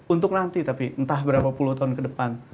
untuk nanti tapi entah berapa puluh tahun ke depan